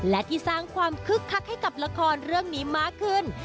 และที่สร้างความคึกคักให้กับละครเรื่องนี้มากขึ้น